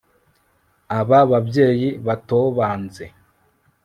Aba babyeyi batobanze